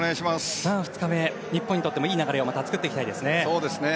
２日目、日本にとってもまたいい流れを作っていきたいですね。